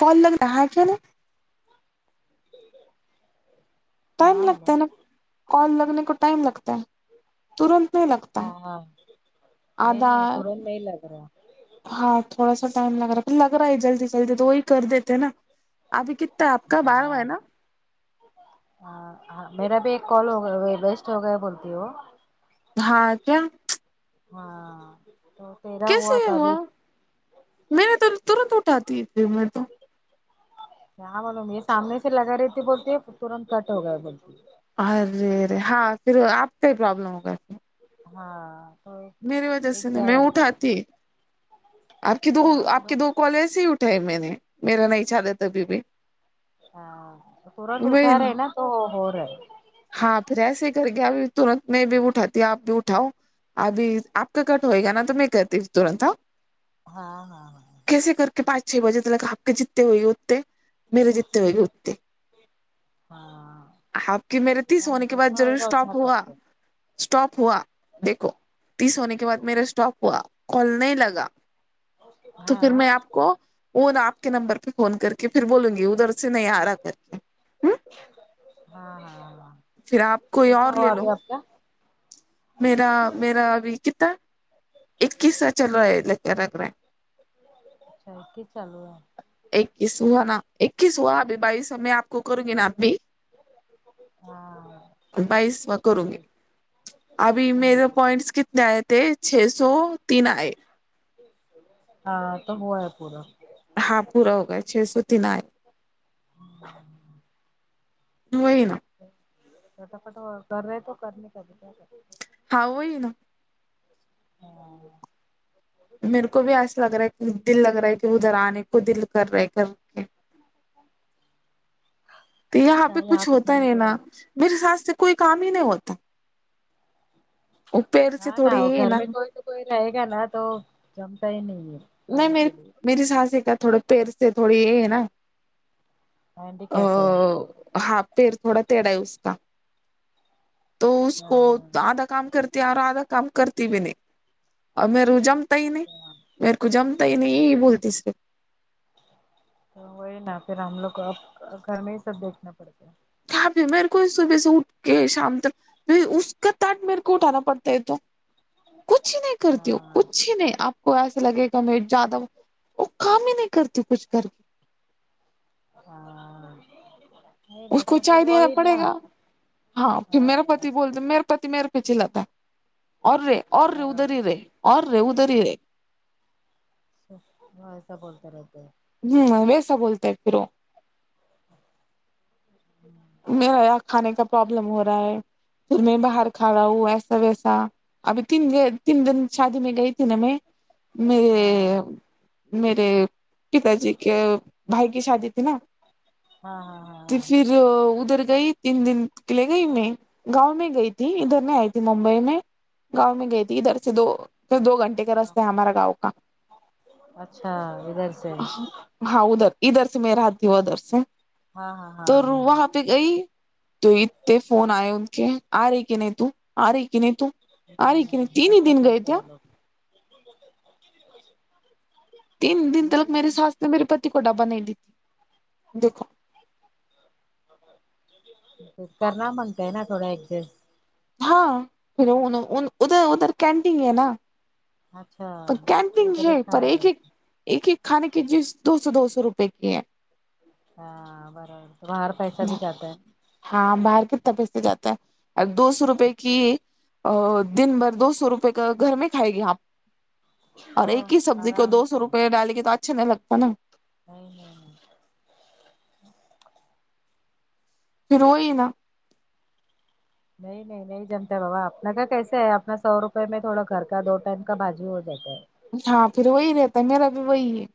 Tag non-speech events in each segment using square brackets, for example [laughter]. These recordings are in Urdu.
کال لگا ہے کے نہیں ٹائم ہاں ہلو لگتا ہے نا کال لگنے کو ٹائم لگتا ہے تورنت نہیں لگتا ہاں ہاں نہیں آدھا نہیں ترنت نہیں لگ رہا ہاں تھوڑا سا ٹائم لگ رہا ہے تو لگ رہا ہے جلدی جلدی تو وہی کر دیتے نا ابھی کتتا ہے آپ کا بارواں ہے نا ہاں ہاں میرا بھی ایک کال ہو گیا ویسٹ ہو گیا بولتی وہ ہاں کیا ہاں تو تیرا کیسے تھا ہوا ابھی میرے تو ترنت اٹھاتی ہے تھی میں تو یہاں معلوم یہ سامنے سے لگا رہی تے بولتی ترنت کٹ ہو گئے بولتی ارے ارے ہاں پھر آپ کا ہی پرابلم ہوگا ہاں تو میری وجہ ایک سے نا میں کیا اٹھاتی آپ کی دو معلوم آپ کی دو کالز ہی اٹھ اٹھائی میں نے میرا نہیں چاد تھا کبھی بھی اچھا ترنت اٹھا رہے ہیں نا تو ہو رہا ہے ہاں پھر ایسے ہی کر کے اب ترنت میں بھی اٹھاتی آپ بھی اٹھاؤ ابھی آپ کا کٹ ہوئے گا نا تو میں کرتی ترنت ہاں ہاں ہاں ہاں کیسے کر کے پانچ چھ بجے تلک آپ کے جیتے ہوئے اتے میرے جیتے ہوئے گے اتے ہاں آپ کی میرے تیس ہونے کے بعد جتنا ضرور ہوئے گا اتنا اسٹاپ ہوا کرتے اسٹاپ ہوا دیکھو تیس ہونے کے بعد میرا اسٹاپ ہوا کھول نہی لگا تو ہاں پھر میں آپ کو وہ نہ آپ کے نمبر پہ فون کر کے پھر بولوں گی ادھر سے نہیں آ رہا کر کے ہوں ہاں ہاں پھر آپ کوئی کتنا اور لے ہوا لو ابھی آپ کا میرا میرا ابھی کتا اکیسا چل رہا ہے لک رگا رہا اچھا یکی چلرا اکیس ہوا نا اکیس ہوا ابھی بائیس میں آپ کو کروں گی نا ابی ہاں بائیسوان کروں گی ابھی میرے پوائنٹس کتنے آئے تھے چھ سو تین ائے ہاں تو ہوا ہے پورا ہاں پورا ہو گیا چھ سو تین آئے [inaudible] وہی نا فٹافٹ وہ کر رہے تو کرنے کا بھی کیا کرنے کا ہاں وہ ہی نا ہاں میرے کو بھی ایسا لگ رہا ہے کہ دل لگ رہا ہے کہ ادھر آنے کو دل کر رہے کر کے تو یہاں پہ چاہے کچھ آپ ہوتا سنے ہے کے نا بعد میرے ساس سے کوئی کام ہی نہیں ہوتا وہ پیر سے ہاں نہ تھوڑی وہ یہ ہے گھر نا میں کوئی تو کوئی رہے گا نا تو جمتا ہی نہیں ہے نہیں آنے میں کے لیے میری سانسی کا تھوڑے پیر سے تھوڑی یہ ہے نا ہینڈی کیپ ہے ہاتھ پیر تھوڑا تیڑا ہے اس کا تو اس کو ہاں آدھا کام کرتے ہیں اور آدھا کام کرتی بھی نہیں اور میں رو جامتا ہی نہیں میرے کو جمتا ہی نہیں بولتی صرف تو وہی نا پھر ہم لوگ کو اب گھر میں ہی سب دیکھنا پڑتے ہیں کیا بھی میرے کو صبح سے اٹھ کے شام تک اس کا تاٹ میرے کو اٹھانا پڑتا ہے تو کچھ نہیں کرتی ہوں ہاں کچھ نہیں آپ کو ایسے لگے کہ مدڈی جادو وہ کام ہی نہیں کرتی کچھ کر کے ہاں نہیں نا اس کو تو پھر چائے دینا وہی نا پڑے گا ہاں پھر میرا پتی ہاں بولتے میرے پتی میرے پہ چلا تھا اور رے اور رے ہاں ادھر ہی رے اور رے ادھر ہی رے ہاں ایسا بولتا رہتے ہوں ویسا بولتا ہے پھر وہ ہمم میرا کھانے کا پرابلم ہو رہا ہے پھر میں باہر کھا رہا ہوں ایسا ویسا ابھی تین تین دن شادی میں گئی تھی نا میں ہاں میرے میرے پتاجی کے بھائی کی شادی تھی نا ہاں ہاں ہاں ہاں پھر ادھر گئی تین دن کے لے گئی میں گاؤں میں گئی تھی ادھر میں آئی تھی ممبئی میں گاؤں میں گئی تھی ادھر سے دو پھر دو گھنٹے راستے ہے ہمارا گاؤں کا اچھا ادھر سے ہاں ادھر ادھر سے میرا ہاتھی ادھر سے ہاں ہاں ہاں تور ہاں ہاں وہاں گئی تو اتتے فون آئے ان کے آ رہی کہ نہیں تو آ رہے کی نہیں تو آ رہے کی نہیں تین ہی ایسا دن گئے کرتے تھے ہو لوگ [unintelligible] تین دن تلک میری ساس نے میرے پتی کو ڈبا نہیں دی تھی دیکھو تو کرنا مگتا ہے نا تھوڑا ایک ہاں پھر ان ادھر ادھر کینٹیین ہے نا اچھا تو کینٹین تو ہے دیکھا پر ایک ایک ایک ایک کھانے کی جیس دو سو دو سو روپے کی ہے ہاں برابر تو باہر پیسہ بھی جاتا ہے ہاں باہر کتنا پیسے جاتا ہے اور دو سو روپے کی دن بھر دو سو روپئے کا گھر میں کھائے گی آپ اور تو ایک ہی سبزی کو آرام دو سو سے روپے ڈالیں گے تو اچھا نہیں لگتا نا [unintelligible] پھر وہی نا نہیں نہیں نہیں جمتا بابا اپنا کا کیسے ہے اپنا سو روپئے میں تھوڑا گھر کا دو ٹائم کا باجی ہو جاتا ہے ہاں پھر وہی رہتا ہے میرا بھی وہی ہے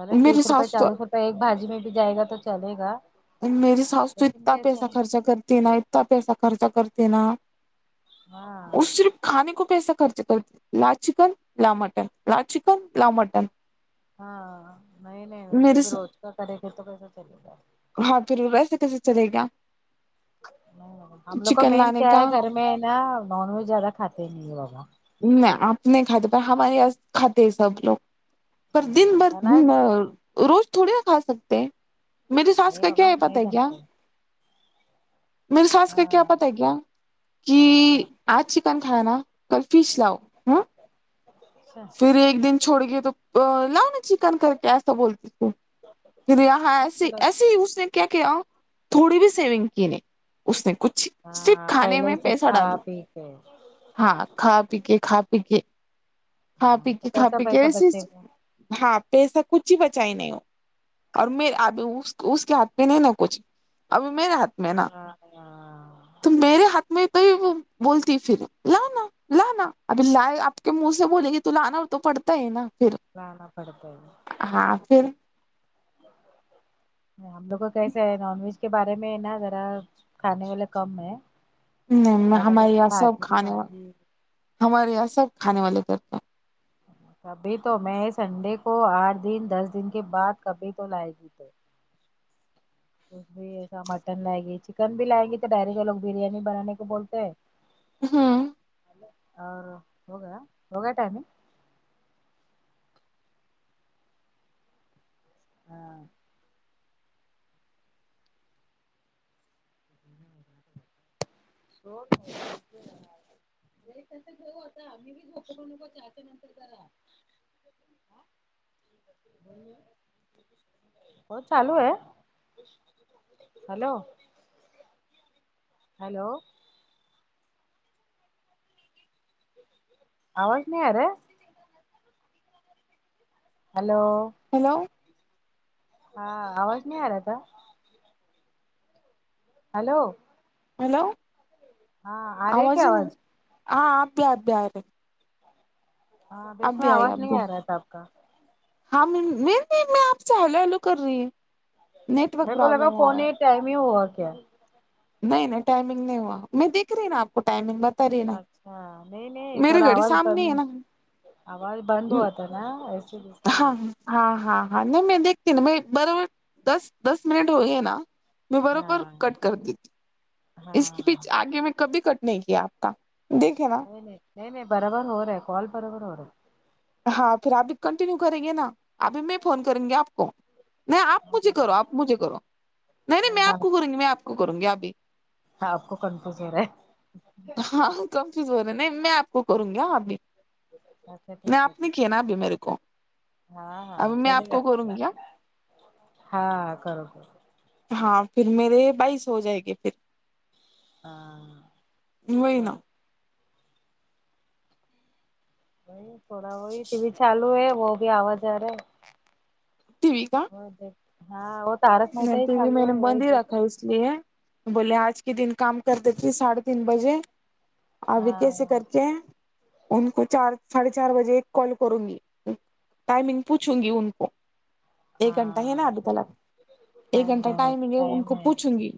ارے تیس میری روپئے ساس تو چالیس روپئے ایک بھاجی میں بھی جائے گا تو چلے گا میری ساس تو لیکن اتتا پیسہ کیسا خرچا کرتی نا اتتا پیسہ خرچا کرتی نا ہاں اسرف کھانے کو پیسہ ایسا خرچ کرتی لال چکن لا مٹن لال چکن ل مٹن ہاں نہیں نہیں ویسے میرے بھی روز کا کرے گے تو کیسا چلے گا ہاں پھر ایسے کیسے چلے گا ہم لوگ کو چکن مین لانے کیا کا ہے گھر میں نا نان ویج زیادہ کھاتے نہیں ہے بابا نہ آپ نہیں کھاتے پر ہمارے یہاں کھاتے ہیں سب لوگ پر دن بھر بنا روز تھوڑے نہ کھا سکتے ہیں میری ساس نہیں کا کیا بابا ہے نہیں پتا کیا جمتے میری ساس کا کیا ہاں آ پتا ہے کیا کی ہاں آج چکن کھایا نا کل فش لاؤ اچھا پھر ایک دن چھوڑ گئے تو لاؤ نا چکن کر کے ایسا بولتی توں پھر یہاں سیے چلو ایسے ہی اس نے کیا کیا تھوڑی بھی سیونگ کی نہیں اس نے کچھ صرف ہاں کھانے پہلے ہی میں سب پیسہ کھا ڈالی پی کے ہاں کھا پی کے کھا پی کے کھا پی ہاں تو کے کھا کیسا پی کے پیسہ بچے ایسچ گا ہاں پیسہ کچھ ہی بچا ہی نہیں ہو اور میر آب اس کے ہاتھ پہ نہیں نا کچھ ابھی میرے ہاتھ میں ہے نا ہاں ہاں تو میرے ہاتھ میں تو وہ بولتی پھر لانا لانا ابھی لائے آپ کے منہ سے بولے گی تو لا آنا ہو تو پڑتا ہے نا پھر لا نا پڑ تا ہے ہاں پھر ہم لوگ کو کیسے ہے نان ویج کے بارے میں نا ذرا کھانے والے کم ہے نہیں زیادہ کر ہمارے کے یہاں سب بھاجی کھانے بھاجی والے ہمارے یہاں سب کھانے والے کرتے ہیں کبھی تو میں سنڈے کو آٹھ دن دس دن کے بعد کبھی تو لائے گی تو کچ بھی ایسا مٹن لائے گی چکن بھی لائیں گی تو ڈائری جو لوگ بریانی بنانے کو بولتے ہیں ہاں اور ہوگیا ہوگیا ٹائمن ہاں سو یہٹس گ آتا ممی بھی ہوپ کروں نک چچ نتر کرا [unintelligible] بولو وہ چالو ہے ہلو ہیلو آواز نہیں ارا ہے ہلو ہیلو ہاں آواز نہیں آ رہا تھا ہیلو ہیلو آ رہی ہے آواز کیا ہی نہیں ہاں ابی ابی ارے ہاں اب بیچ میں بھی آئی آواز اب بھی نہیں آ رہا تھا آپ کا ہاں میں آپ سے ہلو ہلو کر رہی ہ نیٹ ورک میرے کو لگا پروابلم ہو فون رہا ہے ہی ٹائم ہی ہوا کیا نہیں نہیں ٹائمنگ نہیں ہوا میں دیکھ رہی نا آپ تو ٹائمنگ بتا رہی ہے اچھا نہیں نہیں تھوڑا آواز سامنے ہے نا آواز بند ہوا تھا نا ایسے اس لیے ہاں ہاں ہاں ہاں نہیں میں دیکھتی نا میں بر دس دس منٹ ہو گئے نا میں بروبر ہاں کٹ کر دیتی اس کے ہاں پیچھ آگے میں کبھی کٹ نہیں کیا آپ کا دیکھے نا نہیں نہیں نہیں نہیں برابر ہو رہا ہے کال برابر ہو رہا ہے ہاں پھر آپ بھی کنٹینیو کریں گے نا ابھی میں فون کریں گے آپ کو نہیں آپ مجھے کرو ہاں آپ مجھے کرو نہیں نہیں میں ہاں آپ کو کروں گی میں آپ کو کروں گی ابھی آپ کو کنفوز ہو رہا ہے ہاں کنفیوز ہو رہا نہیں میں آپ کو کروں گی ہاں ابھی اچھا نہیں ٹھیک ہے آپ نے ٹھیک کیا نا ابھی میرے کو ہاں ہاں ابھی میں چلیے آپ کو کروں گا [unintelligible] گی ہاں کرو کرو ہاں پھر میرے بھائی سو جائے گے پھر ہاں نہیں نا کرو نہیں تھوڑا وہی ٹی وی چالو ہے وہ بھی آواز آرہا ہے ٹیوی کا اور دو ہاں وہ تآرک محتا ہی ٹی وی میں سمجھو نے وہ بند ہی رکھا دیکھنے اس لیے بولیے آج کے دن کام کر دیتی ساڑھے تین بجے ابھی کیسے ہاں کر کے ان کو چار ساڑھے چار بجے ایک کال کروں گی ٹائمنگ پوچھوں گی ان کو ایک گھنٹہ ہے ہاں نا ابھی ہاں تلا ایک گھنٹہ ٹائمنگ ہے ان کو پوچھوں گی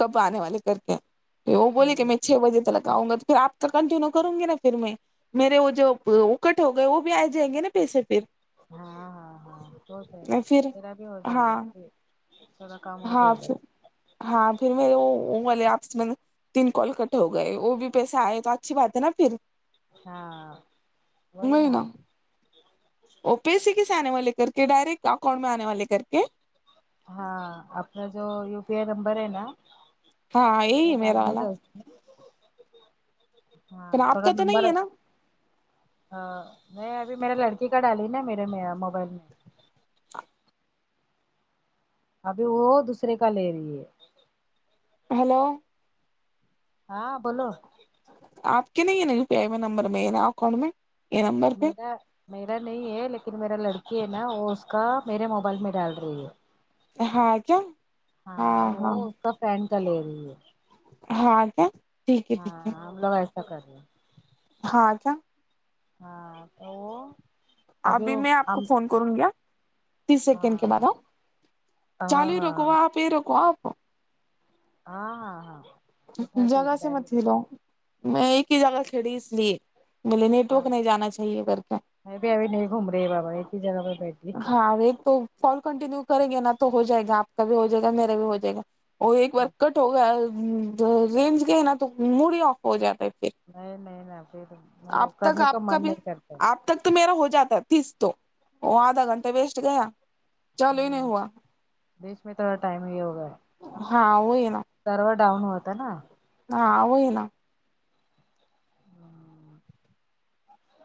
کب آنے والے کر کے وہ ہاں بولی کہ میں چھ بجے تلک آؤں گا تو پھر آپ تو کنٹینیو کروں گی نا پھر میں میرے وہ جو اوکٹ ہو گئے وہ بھی آئے جائیں گے نا پیسے پھر ہاں ہاں ہاں ہو جائے گا پھر میرا بھی ہو جائے ہاں گا پھر تھوڑا کم ہو ہاں جائے گا پھر ہاں پھر میرے وہ وہ والی آیپس میں نے تین کال کٹ ہو گئے وہ بھی پیسے آئے گا اچھی بات ہے نا پھر ہاں وہی نا او پیسے کیسے آنے والے کر کے ڈائریکٹ اکاؤنٹ میں آنے والے کر کے ہاں اپنا جو یوپی آئی نمبر ہے نا ہاں یہی وہ ہے میرا ڈالنے والا کا اس میں ہاں پھر تو آپ وہ کا نمبر نہیں ہے نا ہاں نہیں ابھی میرے لڑکے کا ڈالی نا میرے میں موبائل میں ابھی وہ دوسرے کا لے رہی ہے ہلو ہاں بولو آپ کے نہیں ہے نا یو پی آئی میں نمبر مین اکاؤنٹ میں یہ نمبر پہ میرا میرا نہیں ہے لیکن میرا لڑکی ہے نا اس کا میرے موبائل میں ڈال رہی ہے ہاں کیا ہاں اور وہ اس کا فرینڈ کا لے رہی ہے ہاں کیا ٹھیک ہے ہاں ٹھیک ہے ہم لوگ ایسا کر رہے ہاں کیا ہاں تو ابھی وہ میں آپ ہم کو فون کروں گی ہاں تیس سیکنڈ کے بعد ہاں ہاں چالیو ہاں رکھو آپ یہ رکھو آپ ہاں ہاں ہاں اٹھاتی جگہ ابھی سے ڈائریکٹ مت کر ہلو میں ایک ہی جگہ کھڑی اس لیے بولے نیٹ ہاں ورک نہیں جانا چاہیے کر کے [unintelligible] بھی ابھی نہیں گھوم رہے بابا ہی جگہ پہ بیٹھی ہے ہاں وہی تو کل کنٹینیو کریں گے نا تو ہو جائے گا آپ کا بھی ہو جائے گا میرا بھی ہو جائے گا وہ ایک بار کٹ ہو گیا رینج گئی نا تو موڈ ہی آف ہو جاتے نہیں نہیں نا پھر وہ کرنے کا من نہیں کرتا ب تک تو میرا ہو جاتا ہے تیس تو وہ آدھا گھنٹہ ویسٹ گیا چلو ہی نہیں ہوا دیش میں تھوڑا ٹائم ہی ہوگا ہاں وہی ہے نا سرور ڈاؤن ہوا تھا نا ہاں وئی نا